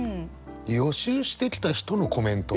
予習してきた人のコメント。